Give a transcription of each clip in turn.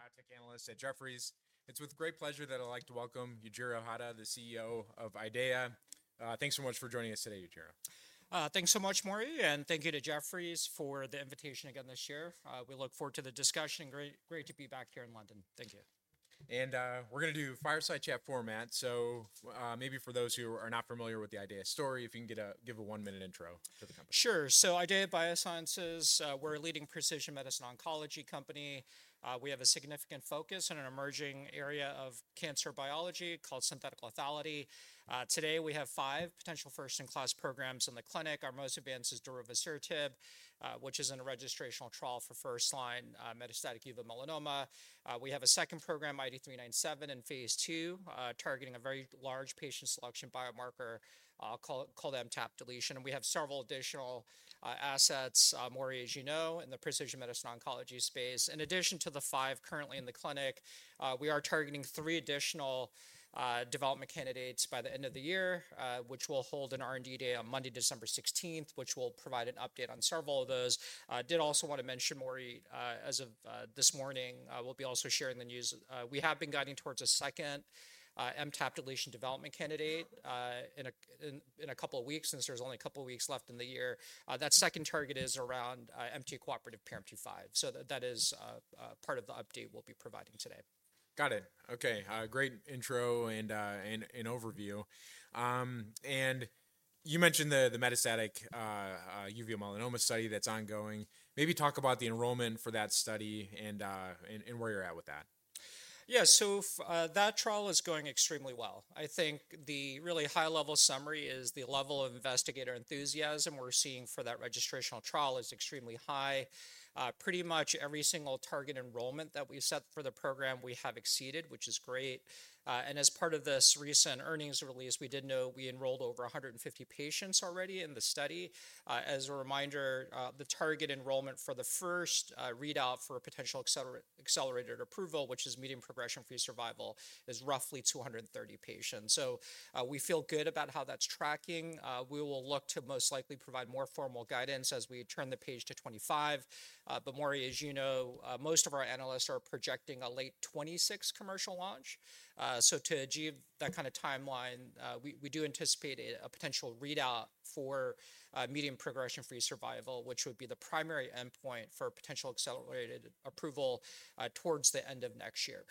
My name is Maury Raycroft, and I'm one of the biotech analysts at Jefferies. It's with great pleasure that I'd like to welcome Yujiro Hata, the CEO of IDEAYA. Thanks so much for joining us today, Yujiro. Thanks so much, Maury, and thank you to Jefferies for the invitation again this year. We look forward to the discussion, and great to be back here in London. Thank you. And we're going to do fireside chat format. So maybe for those who are not familiar with the IDEAYA story, if you can give a one-minute intro to the company. Sure. So IDEAYA Biosciences, we're a leading precision medicine oncology company. We have a significant focus on an emerging area of cancer biology called synthetic lethality. Today, we have five potential first-in-class programs in the clinic. Our most advanced is darovasertib, which is in a registrational trial for first-line metastatic uveal melanoma. We have a second program, IDE397, in phase II, targeting a very large patient selection biomarker called MTAP deletion. And we have several additional assets, Maury, as you know, in the precision medicine oncology space. In addition to the five currently in the clinic, we are targeting three additional development candidates by the end of the year, which will hold an R&D day on Monday, December 16, which will provide an update on several of those. I did also want to mention, Maury, as of this morning, we'll be also sharing the news. We have been guiding towards a second MTAP deletion development candidate in a couple of weeks, since there's only a couple of weeks left in the year. That second target is around MTA-cooperative PRMT5. So that is part of the update we'll be providing today. Got it. Okay, great intro and overview. And you mentioned the metastatic uveal melanoma study that's ongoing. Maybe talk about the enrollment for that study and where you're at with that. Yeah, so that trial is going extremely well. I think the really high-level summary is the level of investigator enthusiasm we're seeing for that registrational trial is extremely high. Pretty much every single target enrollment that we've set for the program, we have exceeded, which is great. And as part of this recent earnings release, we did know we enrolled over 150 patients already in the study. As a reminder, the target enrollment for the first readout for potential accelerated approval, which is median progression-free survival, is roughly 230 patients. So we feel good about how that's tracking. We will look to most likely provide more formal guidance as we turn the page to 2025. But Maury, as you know, most of our analysts are projecting a late 2026 commercial launch. To achieve that kind of timeline, we do anticipate a potential readout for median progression-free survival, which would be the primary endpoint for potential accelerated approval towards the end of next year.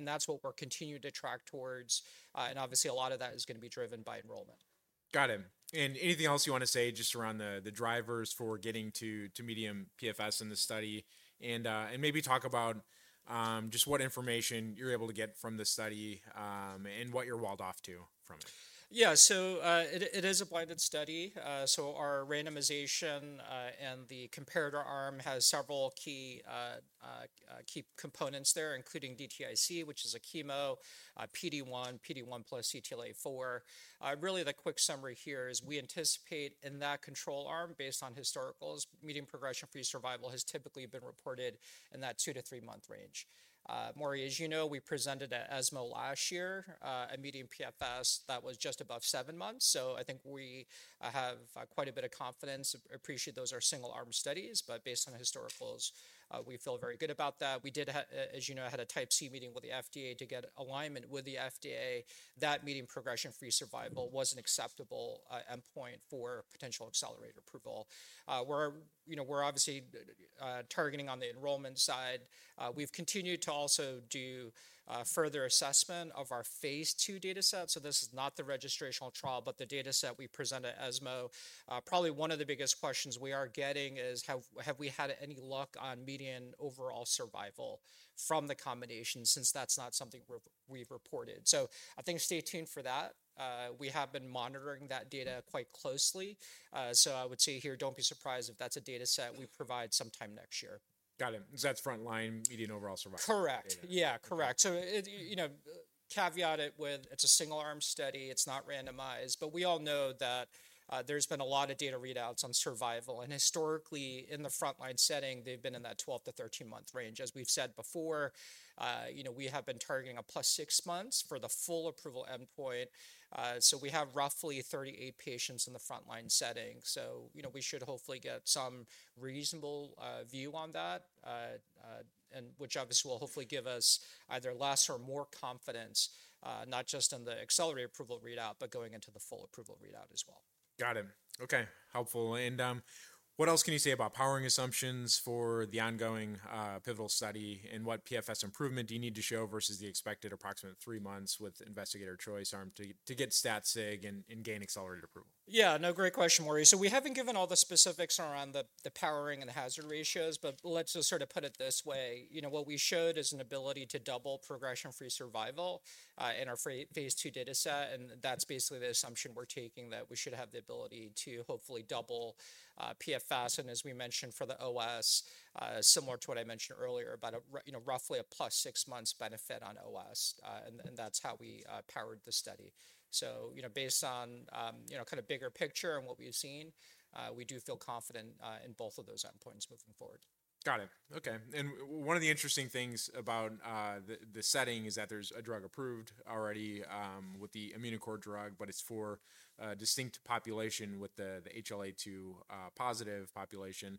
That's what we're continuing to track towards. Obviously, a lot of that is going to be driven by enrollment. Got it. And anything else you want to say just around the drivers for getting to median PFS in the study? And maybe talk about just what information you're able to get from the study and what you're walled off from it. Yeah, so it is a blinded study. So our randomization and the comparator arm has several key components there, including DTIC, which is a chemo, PD-1, PD-1 plus CTLA-4. Really, the quick summary here is we anticipate in that control arm, based on historicals, median progression-free survival has typically been reported in that two to three-month range. Maury, as you know, we presented at ESMO last year a median PFS that was just above seven months. So I think we have quite a bit of confidence, appreciate those are single-arm studies, but based on historicals, we feel very good about that. We did, as you know, had a Type C meeting with the FDA to get alignment with the FDA. That median progression-free survival was an acceptable endpoint for potential accelerated approval. We're obviously targeting on the enrollment side. We've continued to also do further assessment of our phase II data set. So this is not the registrational trial, but the data set we present at ESMO. Probably one of the biggest questions we are getting is, have we had any luck on median overall survival from the combination, since that's not something we've reported? So I think stay tuned for that. We have been monitoring that data quite closely. So I would say here, don't be surprised if that's a data set we provide sometime next year. Got it. So that's frontline median overall survival. Correct. Yeah, correct. So caveat it with, it's a single-arm study. It's not randomized. But we all know that there's been a lot of data readouts on survival. And historically, in the frontline setting, they've been in that 12-13-month range. As we've said before, we have been targeting a plus six months for the full approval endpoint. So we have roughly 38 patients in the frontline setting. So we should hopefully get some reasonable view on that, which obviously will hopefully give us either less or more confidence, not just in the accelerated approval readout, but going into the full approval readout as well. Got it. Okay, helpful. And what else can you say about powering assumptions for the ongoing pivotal study? And what PFS improvement do you need to show versus the expected approximate three months with investigator choice arm to get stat sig and gain accelerated approval? Yeah, no, great question, Maury. So we haven't given all the specifics around the powering and the hazard ratios, but let's just sort of put it this way. What we showed is an ability to double progression-free survival in our phase II data set. And that's basically the assumption we're taking that we should have the ability to hopefully double PFS. And as we mentioned for the OS, similar to what I mentioned earlier about roughly a plus six months benefit on OS. And that's how we powered the study. So based on kind of bigger picture and what we've seen, we do feel confident in both of those endpoints moving forward. Got it. Okay. And one of the interesting things about the setting is that there's a drug approved already with the Immunicore drug, but it's for a distinct population with the HLA-A2 positive population.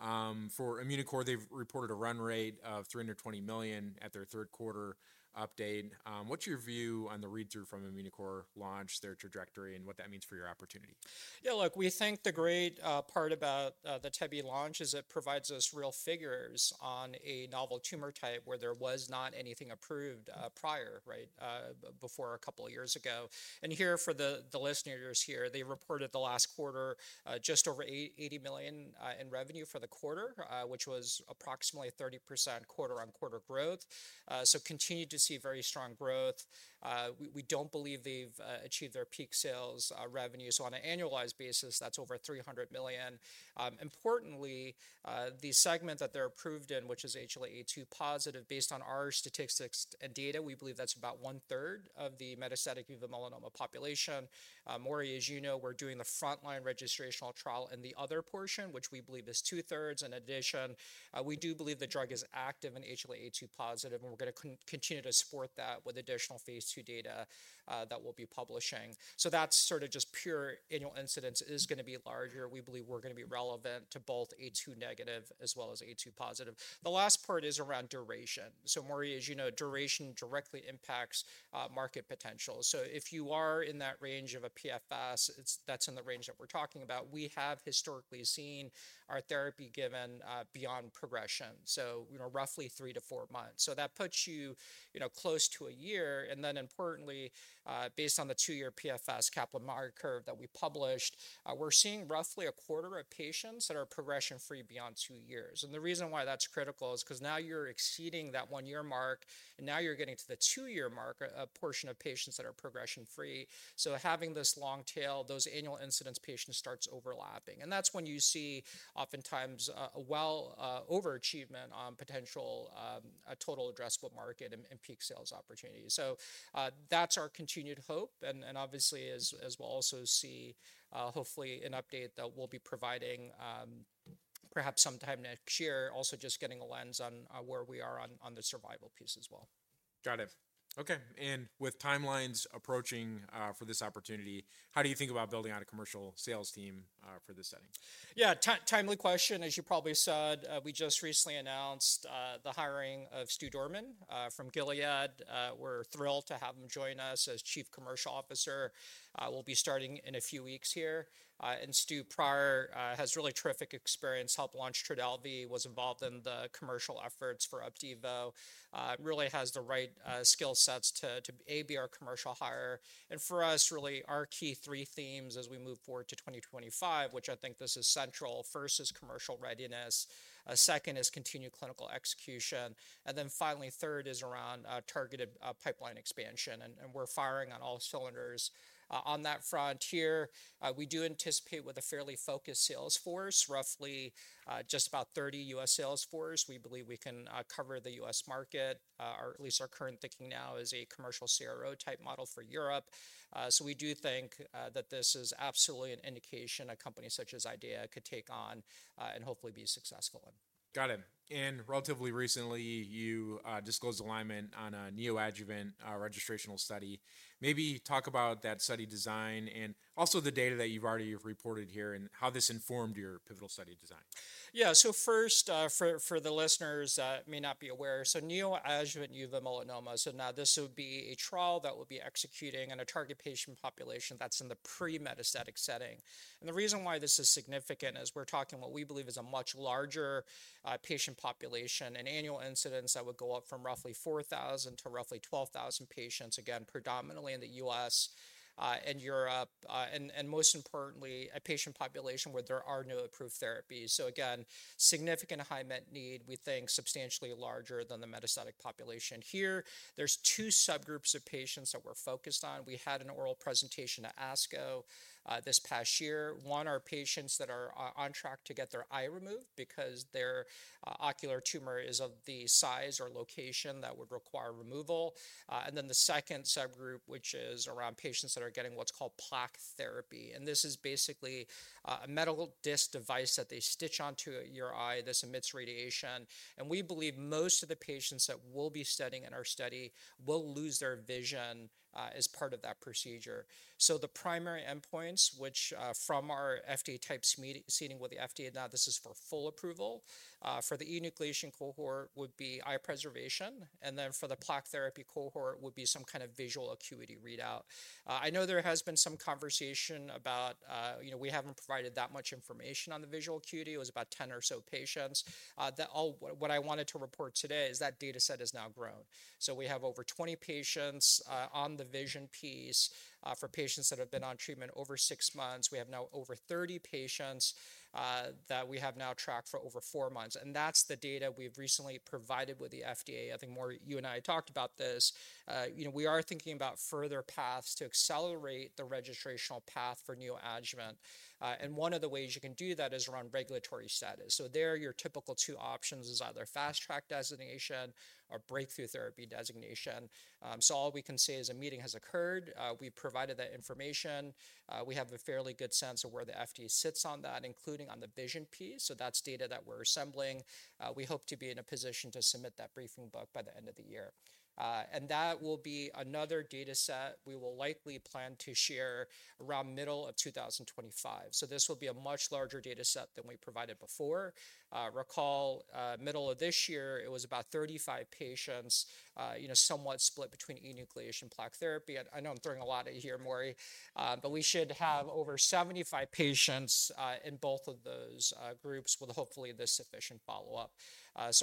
For Immunicore, they've reported a run rate of $320 million at their third quarter update. What's your view on the read-through from Immunicore launch, their trajectory, and what that means for your opportunity? Yeah, look, we think the great part about the Kimmtrak launch is it provides us real figures on a novel tumor type where there was not anything approved prior, right, before a couple of years ago. And here for the listeners here, they reported the last quarter just over $80 million in revenue for the quarter, which was approximately 30% quarter-on-quarter growth. So continue to see very strong growth. We don't believe they've achieved their peak sales revenue. So on an annualized basis, that's over $300 million. Importantly, the segment that they're approved in, which is HLA-A2 positive, based on our statistics and data, we believe that's about one-third of the metastatic uveal melanoma population. Maury, as you know, we're doing the frontline registrational trial in the other portion, which we believe is two-thirds. In addition, we do believe the drug is active in HLA-A2 positive, and we're going to continue to support that with additional phase II data that we'll be publishing. So that's sort of just pure annual incidence is going to be larger. We believe we're going to be relevant to both A2 negative as well as A2 positive. The last part is around duration. So Maury, as you know, duration directly impacts market potential. So if you are in that range of a PFS, that's in the range that we're talking about, we have historically seen our therapy given beyond progression, so roughly three-to-four months. So that puts you close to a year. And then importantly, based on the two-year PFS Kaplan-Meier curve that we published, we're seeing roughly a quarter of patients that are progression-free beyond two years. And the reason why that's critical is because now you're exceeding that one-year mark, and now you're getting to the two-year mark, a portion of patients that are progression-free. So having this long tail, those annual incidence patients starts overlapping. And that's when you see oftentimes a well overachievement on potential total addressable market and peak sales opportunity. So that's our continued hope. And obviously, as we'll also see, hopefully an update that we'll be providing perhaps sometime next year, also just getting a lens on where we are on the survival piece as well. Got it. Okay. And with timelines approaching for this opportunity, how do you think about building out a commercial sales team for this setting? Yeah, timely question. As you probably said, we just recently announced the hiring of Stu Dorman from Gilead. We're thrilled to have him join us as Chief Commercial Officer. We'll be starting in a few weeks here. And Stu Dorman has really terrific experience, helped launch Trodelvy, was involved in the commercial efforts for Opdivo, really has the right skill sets to be our commercial hire. And for us, really, our key three themes as we move forward to 2025, which I think this is central, first is commercial readiness, second is continued clinical execution, and then finally, third is around targeted pipeline expansion. And we're firing on all cylinders on that front here. We do anticipate with a fairly focused sales force, roughly just about 30 U.S. sales force, we believe we can cover the U.S. market, or at least our current thinking now is a commercial CRO type model for Europe. So we do think that this is absolutely an indication a company such as IDEAYA could take on and hopefully be successful in. Got it. And relatively recently, you disclosed alignment on a neoadjuvant registrational study. Maybe talk about that study design and also the data that you've already reported here and how this informed your pivotal study design. Yeah, so first, for the listeners that may not be aware, so neoadjuvant uveal melanoma, so now this would be a trial that will be executing on a target patient population that's in the pre-metastatic setting, and the reason why this is significant is we're talking what we believe is a much larger patient population, an annual incidence that would go up from roughly 4,000 to roughly 12,000 patients, again, predominantly in the U.S. and Europe, and most importantly, a patient population where there are no approved therapies. So again, significant high unmet need, we think substantially larger than the metastatic population. Here, there's two subgroups of patients that we're focused on. We had an oral presentation at ASCO this past year. One are patients that are on track to get their eye removed because their ocular tumor is of the size or location that would require removal. And then the second subgroup, which is around patients that are getting what's called plaque therapy. And this is basically a metal disc device that they stitch onto your eye. This emits radiation. And we believe most of the patients that we'll be studying in our study will lose their vision as part of that procedure. So the primary endpoints, which, from our FDA Type meeting with the FDA, now this is for full approval, for the enucleation cohort would be eye preservation. And then for the plaque therapy cohort would be some kind of visual acuity readout. I know there has been some conversation about we haven't provided that much information on the visual acuity. It was about 10 or so patients. What I wanted to report today is that data set has now grown. We have over 20 patients on the vision piece for patients that have been on treatment over six months. We have now over 30 patients that we have now tracked for over four months. That's the data we've recently provided with the FDA. I think Maury, you and I talked about this. We are thinking about further paths to accelerate the registrational path for neoadjuvant. One of the ways you can do that is around regulatory status. There are your typical two options: either fast track designation or breakthrough therapy designation. All we can say is a meeting has occurred. We've provided that information. We have a fairly good sense of where the FDA sits on that, including on the vision piece. That's data that we're assembling. We hope to be in a position to submit that briefing book by the end of the year. That will be another data set we will likely plan to share around middle of 2025. This will be a much larger data set than we provided before. Recall, middle of this year, it was about 35 patients, somewhat split between enucleation and plaque therapy. I know I'm throwing a lot at you here, Maury, but we should have over 75 patients in both of those groups with hopefully this sufficient follow-up.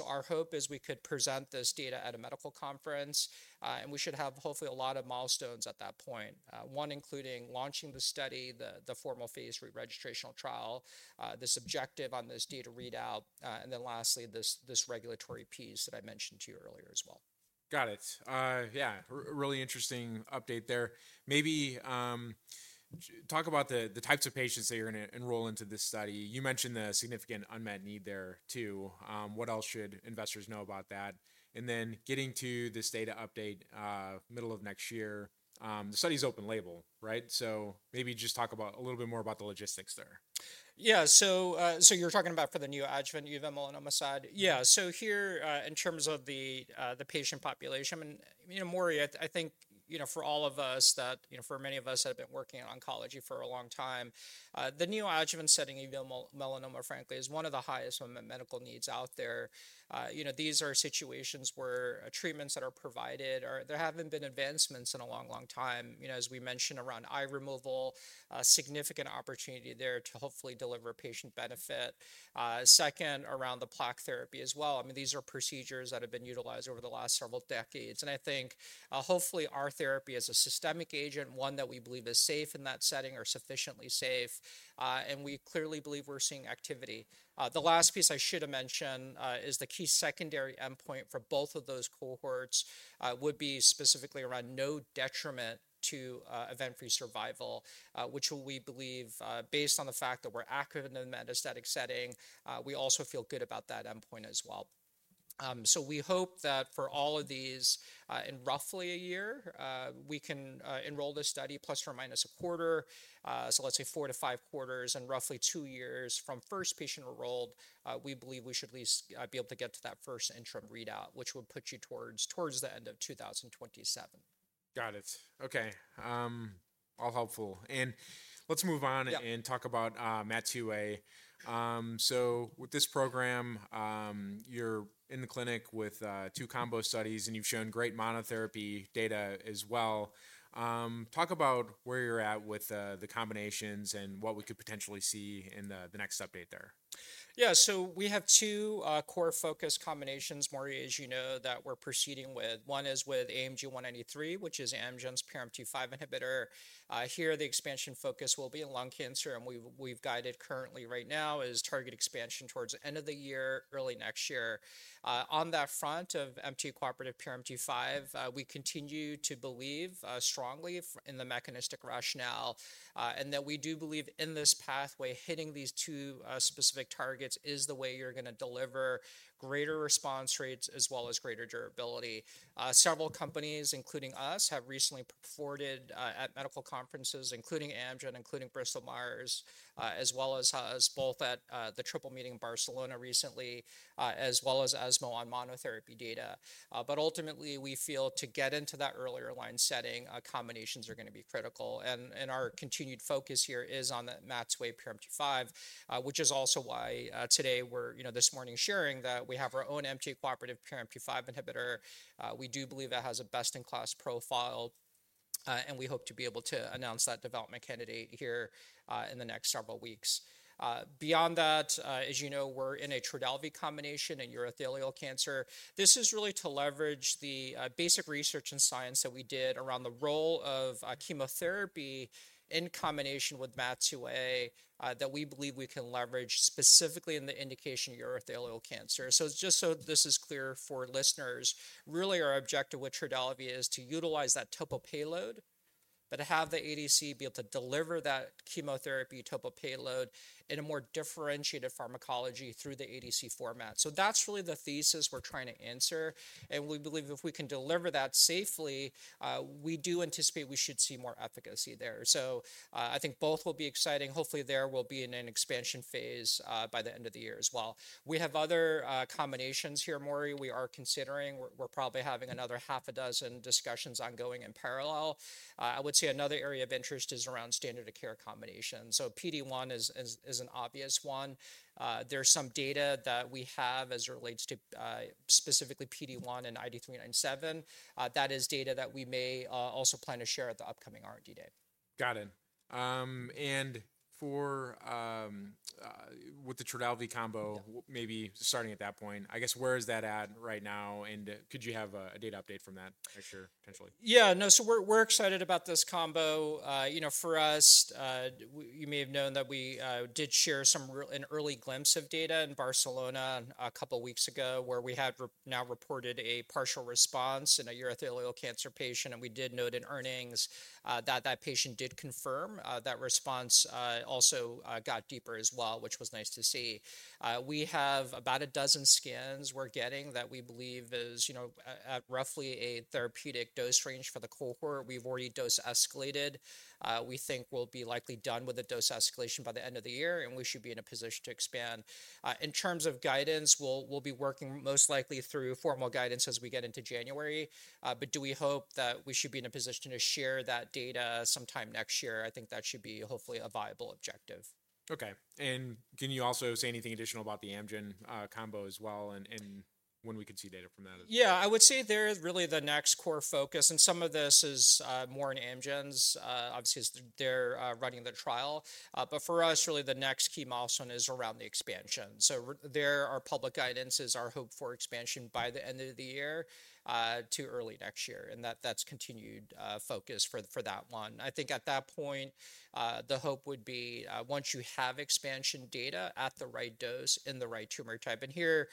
Our hope is we could present this data at a medical conference, and we should have hopefully a lot of milestones at that point, one including launching the study, the formal phase III registrational trial, this objective on this data readout, and then lastly, this regulatory piece that I mentioned to you earlier as well. Got it. Yeah, really interesting update there. Maybe talk about the types of patients that you're going to enroll into this study. You mentioned the significant unmet need there too. What else should investors know about that? And then getting to this data update, middle of next year, the study is open label, right? So maybe just talk about a little bit more about the logistics there. Yeah, so you're talking about for the neoadjuvant uveal melanoma side? Yeah, so here in terms of the patient population, Maury, I think for all of us that, for many of us that have been working in oncology for a long time, the neoadjuvant setting uveal melanoma, frankly, is one of the highest unmet medical needs out there. These are situations where treatments that are provided, there haven't been advancements in a long, long time, as we mentioned around eye removal, significant opportunity there to hopefully deliver patient benefit. Second, around the plaque therapy as well. I mean, these are procedures that have been utilized over the last several decades. And I think hopefully our therapy as a systemic agent, one that we believe is safe in that setting or sufficiently safe. And we clearly believe we're seeing activity. The last piece I should have mentioned is the key secondary endpoint for both of those cohorts would be specifically around no detriment to event-free survival, which we believe based on the fact that we're active in the metastatic setting, we also feel good about that endpoint as well. So we hope that for all of these, in roughly a year, we can enroll this study plus or minus a quarter. So let's say four to five quarters and roughly two years from first patient enrolled, we believe we should at least be able to get to that first interim readout, which would put you towards the end of 2027. Got it. Okay, all helpful. And let's move on and talk about MAT2A. So with this program, you're in the clinic with two combo studies, and you've shown great monotherapy data as well. Talk about where you're at with the combinations and what we could potentially see in the next update there. Yeah, so we have two core focus combinations, Maury, as you know, that we're proceeding with. One is with AMG 193, which is Amgen's PRMT5 inhibitor. Here, the expansion focus will be in lung cancer, and we've guided currently right now is target expansion towards the end of the year, early next year. On that front of MTA-cooperative PRMT5, we continue to believe strongly in the mechanistic rationale and that we do believe in this pathway, hitting these two specific targets is the way you're going to deliver greater response rates as well as greater durability. Several companies, including us, have recently presented at medical conferences, including Amgen, including Bristol Myers, as well as us both at the triple meeting in Barcelona recently, as well as ESMO on monotherapy data. But ultimately, we feel to get into that earlier line setting, combinations are going to be critical. Our continued focus here is on the MAT2A PRMT5, which is also why today we're this morning sharing that we have our own MTA-cooperative PRMT5 inhibitor. We do believe that has a best-in-class profile, and we hope to be able to announce that development candidate here in the next several weeks. Beyond that, as you know, we're in a Trodelvy combination in urothelial cancer. This is really to leverage the basic research and science that we did around the role of chemotherapy in combination with MAT2A that we believe we can leverage specifically in the indication urothelial cancer. So just so this is clear for listeners, really our objective with Trodelvy is to utilize that topo payload, but to have the ADC be able to deliver that chemotherapy topo payload in a more differentiated pharmacology through the ADC format. So that's really the thesis we're trying to answer. We believe if we can deliver that safely, we do anticipate we should see more efficacy there. I think both will be exciting. Hopefully, there will be an expansion phase by the end of the year as well. We have other combinations here, Maury. We are considering. We're probably having another half a dozen discussions ongoing in parallel. I would say another area of interest is around standard of care combination. PD-1 is an obvious one. There's some data that we have as it relates to specifically PD-1 and IDE397. That is data that we may also plan to share at the upcoming R&D day. Got it. And with the Trodelvy combo, maybe starting at that point, I guess where is that at right now? And could you have a data update from that picture potentially? Yeah, no, so we're excited about this combo. For us, you may have known that we did share some early glimpse of data in Barcelona a couple of weeks ago where we had now reported a partial response in a urothelial cancer patient, and we did note in earnings that that patient did confirm that response also got deeper as well, which was nice to see. We have about a dozen scans we're getting that we believe is at roughly a therapeutic dose range for the cohort. We've already dose escalated. We think we'll be likely done with the dose escalation by the end of the year, and we should be in a position to expand. In terms of guidance, we'll be working most likely through formal guidance as we get into January. But do we hope that we should be in a position to share that data sometime next year? I think that should be hopefully a viable objective. Okay, and can you also say anything additional about the Amgen combo as well and when we could see data from that? Yeah, I would say they're really the next core focus, and some of this is more in Amgen's, obviously, as they're running the trial, but for us, really the next key milestone is around the expansion, so there are public guidances, our hope for expansion by the end of the year to early next year, and that's continued focus for that one. I think at that point, the hope would be once you have expansion data at the right dose in the right tumor type, and here,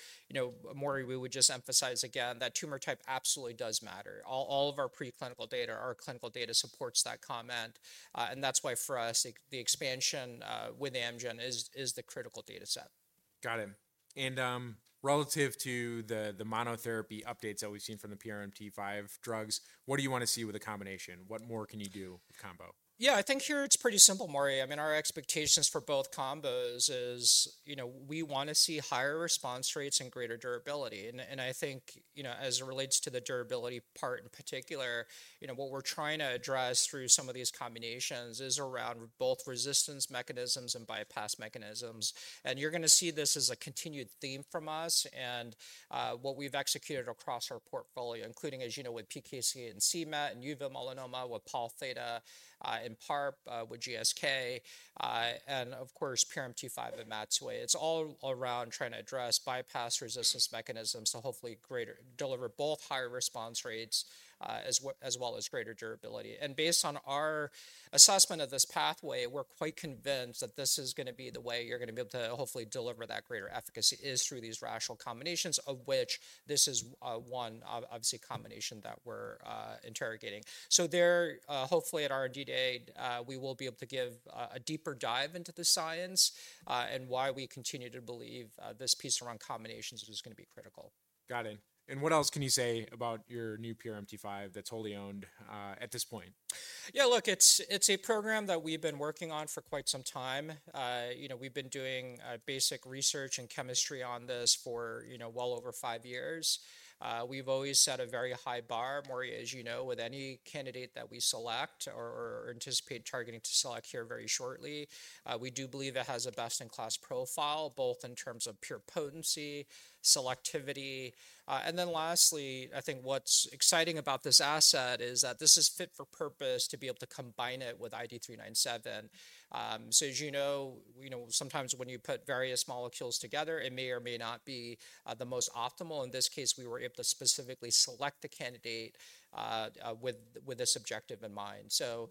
Maury, we would just emphasize again that tumor type absolutely does matter. All of our preclinical data, our clinical data supports that comment, and that's why for us, the expansion with Amgen is the critical data set. Got it. And relative to the monotherapy updates that we've seen from the PRMT5 drugs, what do you want to see with the combination? What more can you do with combo? Yeah, I think here it's pretty simple, Maury. I mean, our expectations for both combos is we want to see higher response rates and greater durability. And I think as it relates to the durability part in particular, what we're trying to address through some of these combinations is around both resistance mechanisms and bypass mechanisms. And you're going to see this as a continued theme from us and what we've executed across our portfolio, including, as you know, with PKC and c-MET and uveal melanoma, with Pol Theta in part, with GSK, and of course, PRMT5 and MAT2A. It's all around trying to address bypass resistance mechanisms to hopefully deliver both higher response rates as well as greater durability. Based on our assessment of this pathway, we're quite convinced that this is going to be the way you're going to be able to hopefully deliver that greater efficacy is through these rational combinations, of which this is one, obviously, combination that we're interrogating. There, hopefully at R&D day, we will be able to give a deeper dive into the science and why we continue to believe this piece around combinations is going to be critical. Got it. And what else can you say about your new PRMT5 that's wholly owned at this point? Yeah, look, it's a program that we've been working on for quite some time. We've been doing basic research and chemistry on this for well over five years. We've always set a very high bar, Maury, as you know, with any candidate that we select or anticipate targeting to select here very shortly. We do believe it has a best-in-class profile, both in terms of pure potency, selectivity. And then lastly, I think what's exciting about this asset is that this is fit for purpose to be able to combine it with IDE397. So as you know, sometimes when you put various molecules together, it may or may not be the most optimal. In this case, we were able to specifically select the candidate with this objective in mind. So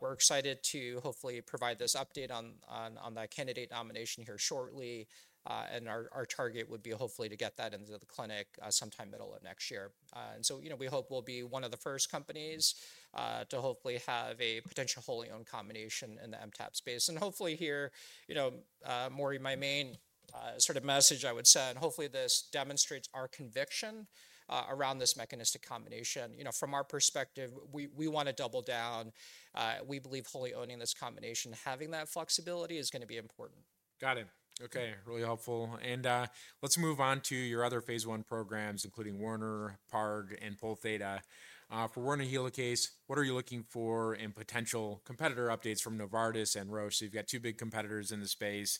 we're excited to hopefully provide this update on that candidate nomination here shortly. And our target would be hopefully to get that into the clinic sometime middle of next year. And so we hope we'll be one of the first companies to hopefully have a potential wholly owned combination in the MTAP space. And hopefully here, Maury, my main sort of message I would say, and hopefully this demonstrates our conviction around this mechanistic combination. From our perspective, we want to double down. We believe wholly owning this combination, having that flexibility is going to be important. Got it. Okay, really helpful. And let's move on to your other phase I programs, including Werner, PARG, and Pol Theta. For Werner Helicase, what are you looking for in potential competitor updates from Novartis and Roche? So you've got two big competitors in the space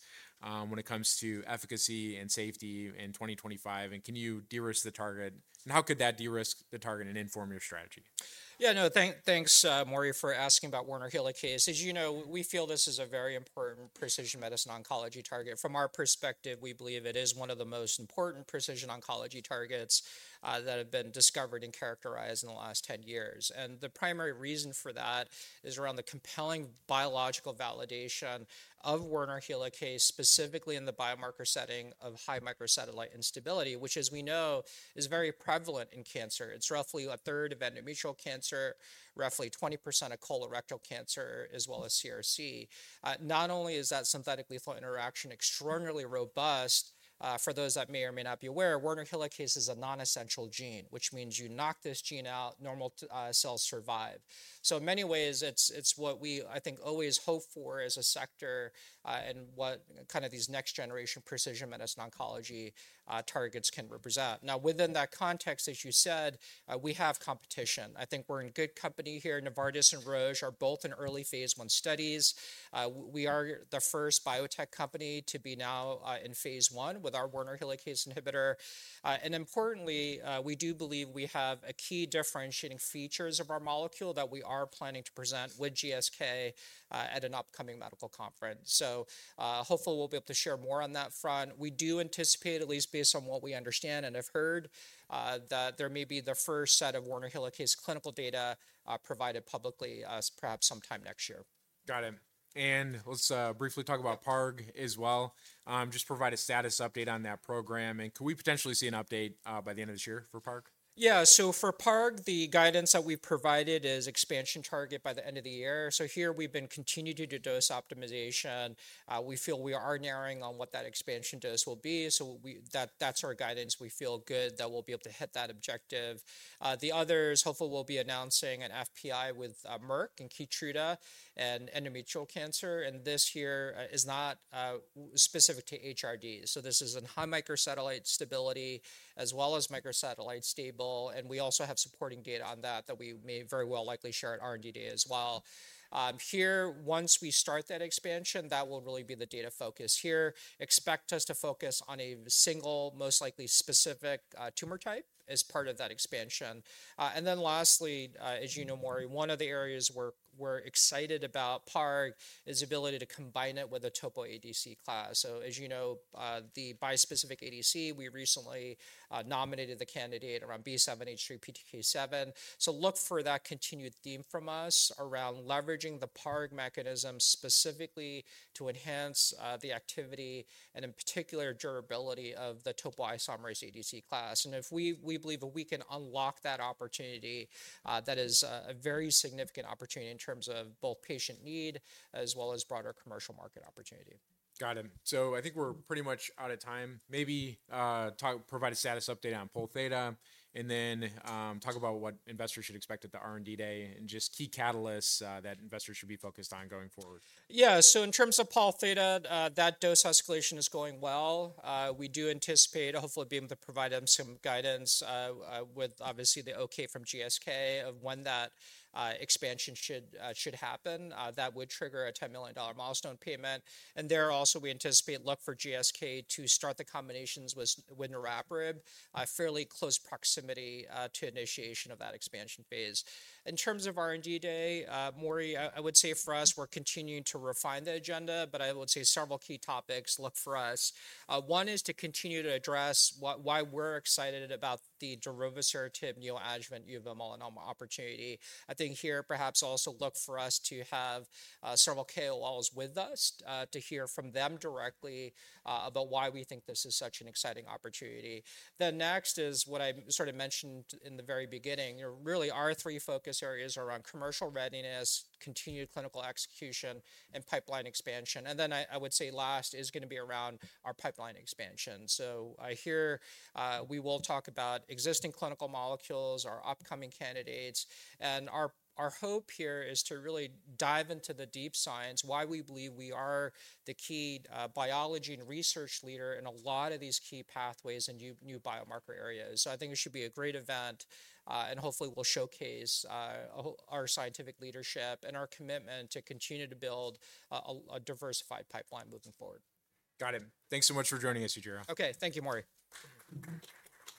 when it comes to efficacy and safety in 2025. And can you de-risk the target? And how could that de-risk the target and inform your strategy? Yeah, no, thanks, Maury, for asking about Werner Helicase. As you know, we feel this is a very important precision medicine oncology target. From our perspective, we believe it is one of the most important precision oncology targets that have been discovered and characterized in the last 10 years, and the primary reason for that is around the compelling biological validation of Werner Helicase, specifically in the biomarker setting of high microsatellite instability, which, as we know, is very prevalent in cancer. It's roughly a third of endometrial cancer, roughly 20% of colorectal cancer, as well as CRC. Not only is that synthetic lethal interaction extraordinarily robust, for those that may or may not be aware, Werner Helicase is a non-essential gene, which means you knock this gene out, normal cells survive. In many ways, it's what we, I think, always hope for as a sector and what kind of these next generation precision medicine oncology targets can represent. Now, within that context, as you said, we have competition. I think we're in good company here. Novartis and Roche are both in early phase I studies. We are the first biotech company to be now in phase I with our Werner Helicase inhibitor. Importantly, we do believe we have a key differentiating features of our molecule that we are planning to present with GSK at an upcoming medical conference. Hopefully we'll be able to share more on that front. We do anticipate, at least based on what we understand and have heard, that there may be the first set of Werner Helicase clinical data provided publicly perhaps sometime next year. Got it. And let's briefly talk about PARG as well. Just provide a status update on that program. And could we potentially see an update by the end of this year for PARG? Yeah, so for PARG, the guidance that we provided is expansion target by the end of the year. So here we've been continued to do dose optimization. We feel we are narrowing on what that expansion dose will be. So that's our guidance. We feel good that we'll be able to hit that objective. The others, hopefully we'll be announcing an FPI with Merck and Keytruda and endometrial cancer. And this here is not specific to HRD. So this is in high microsatellite instability as well as microsatellite stable. And we also have supporting data on that that we may very well likely share at R&D day as well. Here, once we start that expansion, that will really be the data focus here. Expect us to focus on a single, most likely specific tumor type as part of that expansion. And then lastly, as you know, Maury, one of the areas we're excited about PARG is the ability to combine it with a topo ADC class. So as you know, the bispecific ADC, we recently nominated the candidate around B7-H3 PTK7. So look for that continued theme from us around leveraging the PARG mechanism specifically to enhance the activity and in particular durability of the topoisomerase ADC class. And we believe that we can unlock that opportunity. That is a very significant opportunity in terms of both patient need as well as broader commercial market opportunity. Got it. So I think we're pretty much out of time. Maybe provide a status update on Pol Theta and then talk about what investors should expect at the R&D day and just key catalysts that investors should be focused on going forward. Yeah, so in terms of Pol Theta, that dose escalation is going well. We do anticipate hopefully being able to provide them some guidance with obviously the okay from GSK of when that expansion should happen. That would trigger a $10 million milestone payment. And there also we anticipate look for GSK to start the combinations with niraparib, fairly close proximity to initiation of that expansion phase. In terms of R&D day, Maury, I would say for us, we're continuing to refine the agenda, but I would say several key topics look for us. One is to continue to address why we're excited about the darovasertib neoadjuvant uveal melanoma opportunity. I think here perhaps also look for us to have several KOLs with us to hear from them directly about why we think this is such an exciting opportunity. The next is what I sort of mentioned in the very beginning. Really, our three focus areas are around commercial readiness, continued clinical execution, and pipeline expansion, and then I would say last is going to be around our pipeline expansion, so here we will talk about existing clinical molecules, our upcoming candidates, and our hope here is to really dive into the deep science, why we believe we are the key biology and research leader in a lot of these key pathways and new biomarker areas, so I think it should be a great event and hopefully will showcase our scientific leadership and our commitment to continue to build a diversified pipeline moving forward. Got it. Thanks so much for joining us, Yujiro. Okay, thank you, Maury.